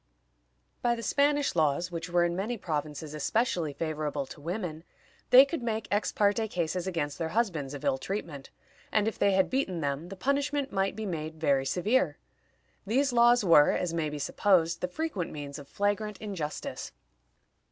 By the Spanish laws, which were in many provinces especially favorable to women, they could make ex parte cases against their husbands of ill treatment, and if they had beaten them the punishment might be made very severe. These laws were, as may be supposed, the frequent means of flagrant injustice.